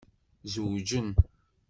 Zewǧen.